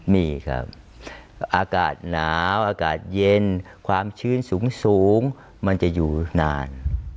มีครับอากาศหนาวอากาศเย็นความชื้นสูงมันจะอยู่นาน